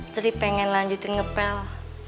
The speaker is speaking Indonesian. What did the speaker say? sering pengen lanjutin ngepel